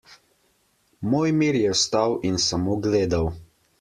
Mojmir je vstal in samo gledal.